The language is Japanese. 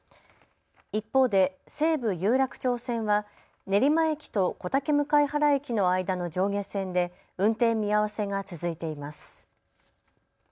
一方で西武有楽町線は練馬駅と小竹向原駅の間の上下線で運転見合わせが続いています。